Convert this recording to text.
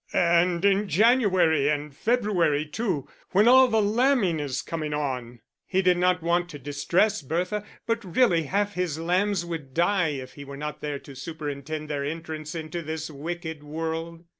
"And in January and February too, when all the lambing is coming on." He did not want to distress Bertha, but really half his lambs would die if he were not there to superintend their entrance into this wicked world.